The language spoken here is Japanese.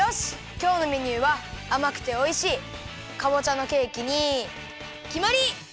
きょうのメニューはあまくておいしいかぼちゃのケーキにきまり！